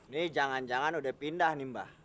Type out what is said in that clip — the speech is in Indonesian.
nih jangan jangan udah pindah nih mbah